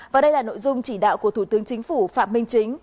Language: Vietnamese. và đây là nội dung chỉ đạo của thủ tướng chính phủ phạm minh chính